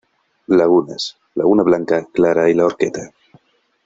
Lagunas: Laguna Blanca, Clara y la Horqueta.